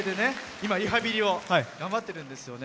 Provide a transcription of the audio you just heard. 今リハビリを頑張ってるんですよね。